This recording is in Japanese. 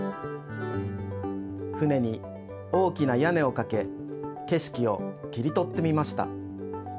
船に大きなやねをかけけしきを切りとってみました。